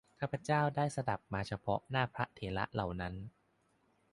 ข้าพเจ้าได้สดับมาเฉพาะหน้าพระเถระเหล่านั้น